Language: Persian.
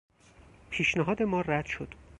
پیشنهاد ما رد شد.